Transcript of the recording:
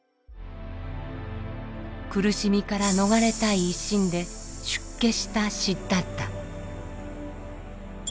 苦しみから逃れたい一心で出家したシッダッタ。